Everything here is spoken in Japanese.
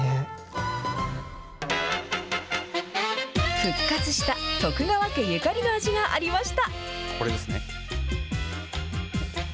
復活した徳川家ゆかりの味がありました。